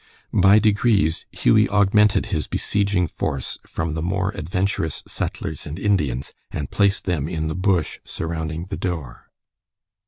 By degrees Hughie augmented his besieging force from the more adventurous settlers and Indians, and placed them in the bush surrounding the door.